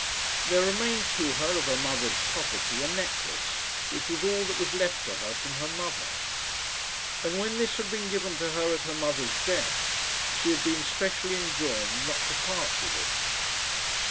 There remained to her of her mother's property a necklace, which was all that was left to her from her mother. And when this had been given to her at her mother's death, she had been specially enjoined not to part with it.